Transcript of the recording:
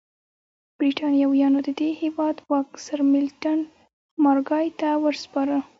برېټانویانو د دې هېواد واک سرمیلټن مارګای ته وسپاره.